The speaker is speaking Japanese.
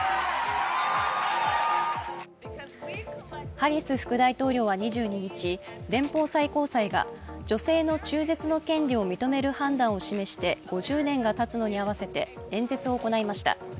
ハリス副大統領は２２日、連邦最高裁が女性の中絶の権利を認める判断を示して５０年がたつのに合わせて演説を行いました。